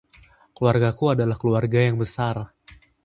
Keluargaku adalah keluarga yang besar.